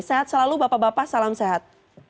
sehat selalu bapak bapak salam sehat